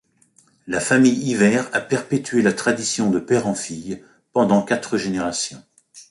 La famille Hivert a perpétué la tradition de père en filles pendant quatre générations.